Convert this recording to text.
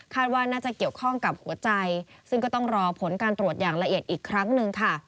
ว่าน่าจะเกี่ยวข้องกับหัวใจซึ่งก็ต้องรอผลการตรวจอย่างละเอียดอีกครั้งหนึ่งค่ะ